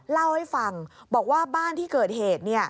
เล่าให้ฟังบอกว่าบ้านที่เกิดเหตุ